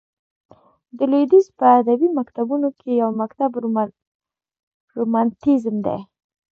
د لوېدیځ په ادبي مکتبونو کښي یو مکتب رومانتیزم دئ.